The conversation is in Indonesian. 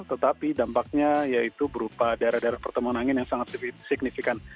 tetapi dampaknya yaitu berupa daerah daerah pertemuan angin yang sangat signifikan